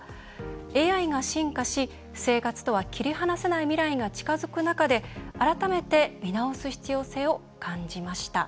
ＡＩが進化し、生活とは切り離せない未来が近づく中で改めて見直す必要性を感じました。